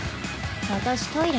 私トイレ。